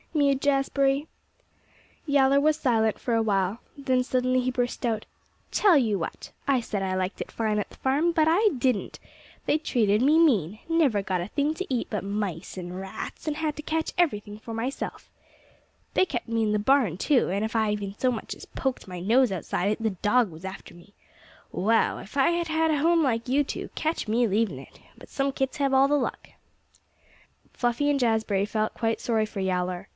mewed Jazbury. Yowler was silent for a while. Then suddenly he burst out, "Tell you what! I said I liked it fine at the farm, but I didn't. They treated me mean. Never got a thing to eat but mice and rats, and had to catch everything for myself. They kept me in the barn, too, and if I even so much as poked my nose outside it the dog was after me. Wow! If I'd had a home like you two, catch me leaving it! But some kits have all the luck." Fluffy and Jazbury felt quite sorry for Yowler.